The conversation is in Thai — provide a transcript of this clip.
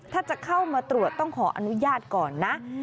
ถ้าจะเข้ามาตรวจต้องขออนุญาตก่อนนะ